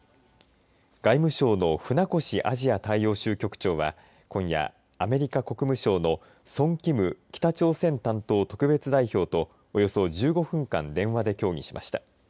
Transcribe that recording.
外務省の船越アジア大洋州局長は今夜、アメリカ国務省のソン・キム北朝鮮担当特別代表とおよそ１５分間電話で協議しました。